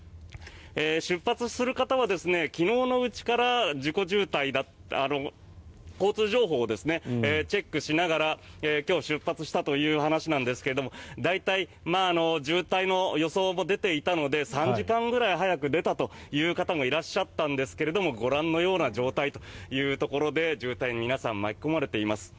出発する方は昨日のうちから交通情報をチェックしながら今日、出発したという話ですが大体、渋滞の予想も出ていたので３時間くらい早く出たという方もいらっしゃったんですがご覧のような状態ということで渋滞に皆さん巻き込まれています。